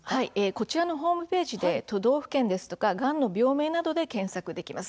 こちらのホームページで都道府県とがんの病名などで検索できます。